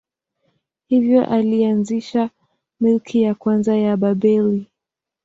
Hivyo alianzisha milki ya kwanza ya Babeli.